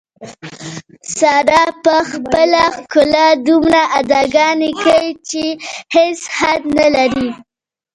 ساره په خپله ښکلا دومره اداګانې کوي، چې هېڅ حد نه لري.